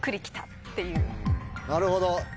なるほど。